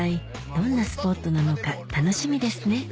どんなスポットなのか楽しみですね